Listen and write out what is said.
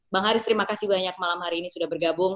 bang haris terima kasih banyak malam hari ini sudah bergabung